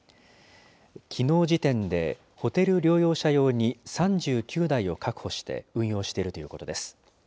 きのう時点で、ホテル療養者用に３９台を確保して運用しているということです。